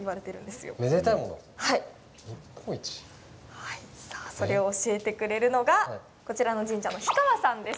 はい、さあそれを教えてくれるのがこちらの神社の肥川さんです。